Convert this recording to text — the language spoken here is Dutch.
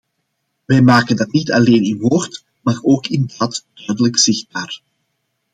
Wij maken dat niet alleen in woord, maar ook in daad duidelijk zichtbaar.